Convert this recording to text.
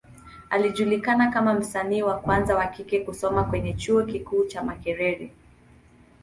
Alijulikana kama msanii wa kwanza wa kike kusoma kwenye Chuo kikuu cha Makerere.